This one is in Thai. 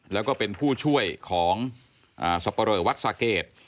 แล้วก็เป็นผู้ช่วยของสปรวจสะเกด